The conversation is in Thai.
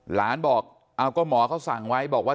หลานบอกเอาก็หมอเขาสั่งไว้บอกว่า